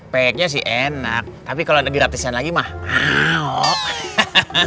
pe nya sih enak tapi kalau ada gratisan lagi mah mau